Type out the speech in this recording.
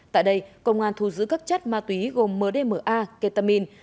tại đây công an thu giữ các chất ma túy gồm mdma ketamin